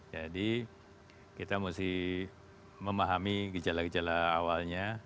jadi kita harus memahami gejala gejala awalnya